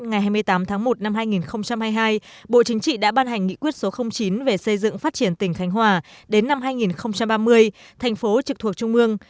ngày hai mươi tám tháng một năm hai nghìn hai mươi hai bộ chính trị đã ban hành nghị quyết số chín về xây dựng phát triển tỉnh khánh hòa đến năm hai nghìn ba mươi thành phố trực thuộc trung ương